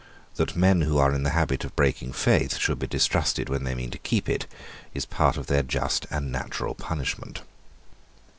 That men who are in the habit of breaking faith should be distrusted when they mean to keep it is part of their just and natural punishment.